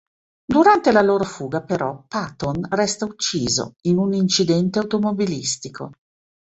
Durante la loro fuga, però, Paton resta ucciso in un incidente automobilistico.